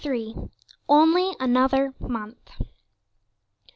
ONLY ANOTHER MONTH.